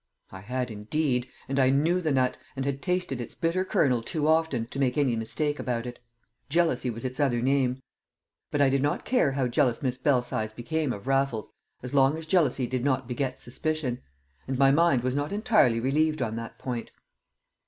I had indeed! And I knew the nut, and had tasted its bitter kernel too often to make any mistake about it. Jealousy was its other name. But I did not care how jealous Miss Belsize became of Raffles as long as jealousy did not beget suspicion; and my mind was not entirely relieved on that point.